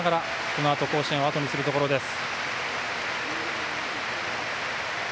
このあと、甲子園をあとにするところです。